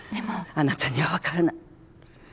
あなたにはわからない。